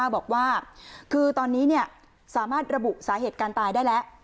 บอกว่าคือตอนนี้สามารถระบุสาเหตุการตายได้แล้ว